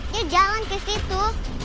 dia jalan ke situ